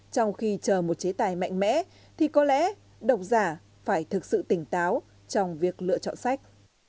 trong khi chờ một chế tài mạnh mẽ thì có lẽ đọc giả phải thực sự tỉnh táo trong việc lựa chọn sách